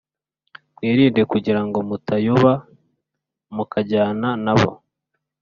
mwirinde kugira ngo mutayoba mukajyana na bo